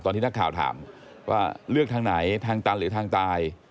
ที่นักข่าวถามว่าเลือกทางไหนทางตันหรือทางตาย